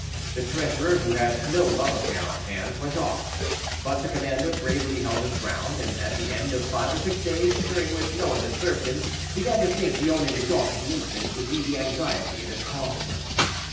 The treasurer, who had no love affair on hand, went off; but the commander bravely held his ground, and at the end of five or six days, during which no one disturbed him, began to think the only result of the incident would be the anxiety it had caused him.